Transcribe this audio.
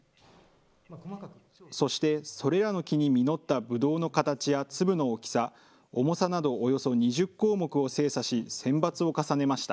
そしてそれらの木に実ったブドウの形や粒の大きさ、重さなどおよそ２０項目を精査し、選抜を重ねました。